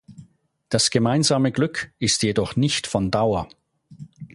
Das gemeinsame Glück ist jedoch nicht von Dauer.